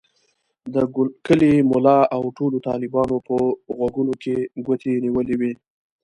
د کلي ملا او ټولو طالبانو په غوږونو کې ګوتې نیولې وې.